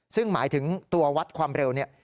ซึ่งหมายถึงตัววัดความเร็วเนี่ย